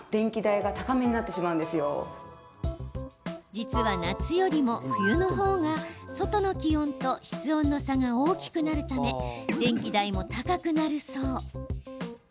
実は、夏よりも冬の方が外の気温と室温の差が大きくなるため電気代も高くなるそう。